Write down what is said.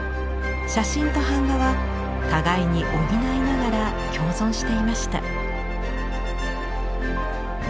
写真と版画は互いに補いながら共存していました。